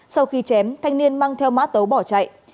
sau khi chém thanh niên mang theo mã tấu bỏ chạy